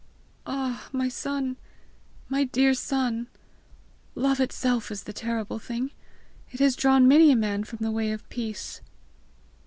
"Ah, my son, my dear son! love itself is the terrible thing! It has drawn many a man from the way of peace!"